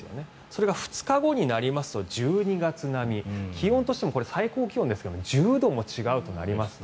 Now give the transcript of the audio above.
それが２日後になりますと１２月並み気温としても最高気温ですが１０度も違うとなります。